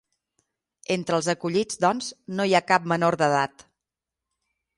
Entre els acollits, doncs, no hi ha cap menor d’edat.